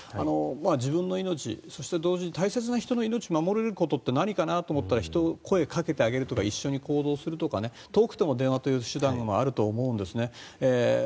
自分の命、そして同時に大切な人の命を守れることって何かなと思ったらひと声かけてあげるとか一緒に行動するとか遠くでも電話という手段があると思うんですね。